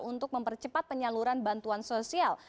untuk mempercepat penyaluran bantuan sosial